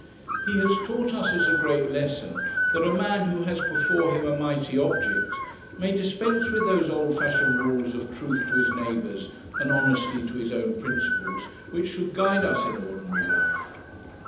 He has taught us as a great lesson, that a man who has before him a mighty object may dispense with those old fashioned rules of truth to his neighbours and honesty to his own principles, which should guide us in ordinary life.